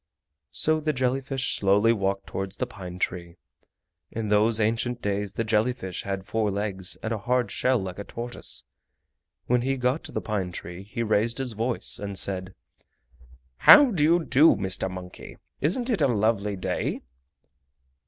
So the jelly fish slowly walked towards the pine tree. In those ancient days the jelly fish had four legs and a hard shell like a tortoise. When he got to the pine tree he raised his voice and said: "How do you do, Mr. Monkey? Isn't it a lovely day?"